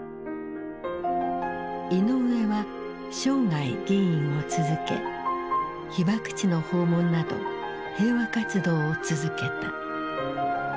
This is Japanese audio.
イノウエは生涯議員を続け被爆地の訪問など平和活動を続けた。